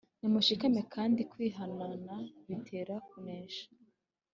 Nimushikame kandi kwihanana bitera kunesha